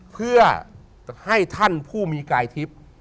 เพื่อให้ท่านผู้มีกายทิพย์